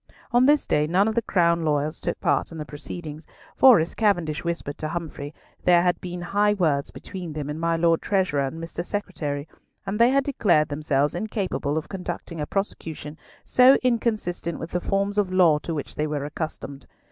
On this day none of the Crown lawyers took part in the proceedings; for, as Cavendish whispered to Humfrey, there had been high words between them and my Lord Treasurer and Mr. Secretary; and they had declared themselves incapable of conducting a prosecution so inconsistent with the forms of law to which they were accustomed.